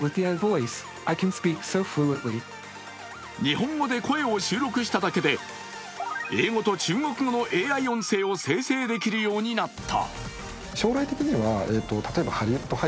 日本語で声を収録しただけで英語と中国語のＡＩ音声を生成できるようになった。